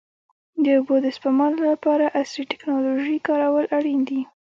د اوبو د سپما لپاره عصري ټکنالوژي کارول اړین دي.